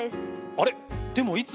あれ？